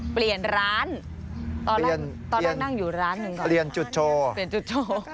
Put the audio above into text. เปลี่ยนร้านต้อนั่งอยู่ร้านหนึ่งก่อน